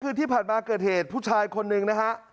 คือที่ผ่านมาเกิดเหตุผู้ชายคนหนึ่งนะฮะ